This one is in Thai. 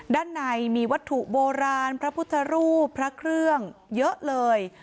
ด้านในมีวัตถุโบราณพระพุทธรูปพระเครื่องเยอะเลย